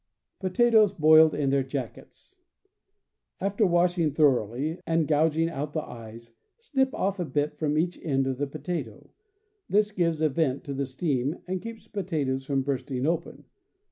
Potatoes, Boiled in their Jackets. — After washing thoroughly, and gouging out the eyes, snip off a bit from each end of the potato; this gives a vent to the steam and keeps potatoes from bursting open.